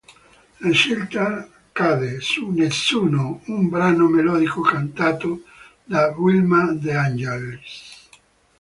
La scelta cade su "Nessuno", un brano melodico cantato da Wilma De Angelis.